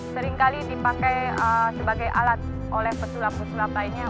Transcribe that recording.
seringkali dipakai sebagai alat oleh pesulap pesulap lainnya